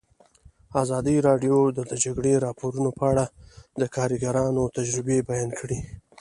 ازادي راډیو د د جګړې راپورونه په اړه د کارګرانو تجربې بیان کړي.